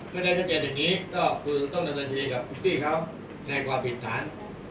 ไม่ได้ชัดเจนอย่างนี้ก็คือต้องจะบรรจีกับคุณพี่เขาในกว่าผิดศาล